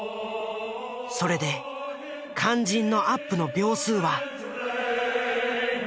それで肝心のアップの秒数は？